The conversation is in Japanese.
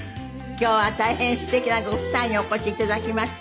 今日は大変素敵なご夫妻にお越しいただきました。